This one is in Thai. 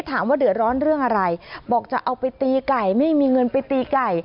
ถามว่าเดือดร้อนเรื่องอะไรบอกจะเอาไปตีไก่ไม่มีเงินไปตีไก่